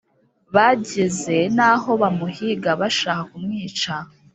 bageze n aho bamuhiga bashaka kumwica